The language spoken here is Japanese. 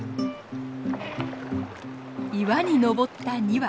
岩に登った２羽。